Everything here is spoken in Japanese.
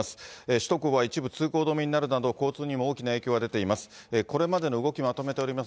首都高は一部通行止めになるなど、交通にも大きな影響が出ています。